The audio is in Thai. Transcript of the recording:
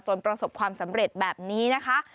ประสบความสำเร็จแบบนี้นะคะ